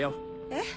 えっ？